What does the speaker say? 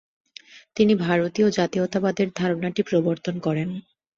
তিনি ভারতীয় জাতীয়তাবাদের ধারণাটি প্রবর্তন করেন।